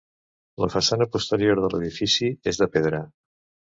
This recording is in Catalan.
La façana posterior de l'edifici és de pedra.